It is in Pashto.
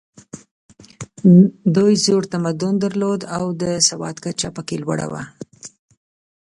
دوی زوړ تمدن درلود او د سواد کچه پکې لوړه وه.